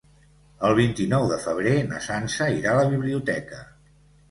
El vint-i-nou de febrer na Sança irà a la biblioteca.